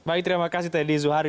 baik terima kasih teddy zuhari